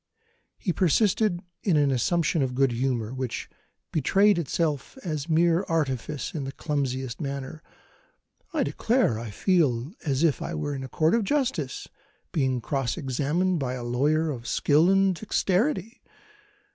He persisted in an assumption of good humour, which betrayed itself as mere artifice in the clumsiest manner: "I declare I feel as if I were in a court of justice, being cross examined by a lawyer of skill and dexterity!